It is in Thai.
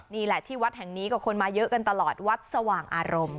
นี่แหละที่วัดแห่งนี้ก็คนมาเยอะกันตลอดวัดสว่างอารมณ์